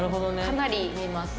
かなり見ます。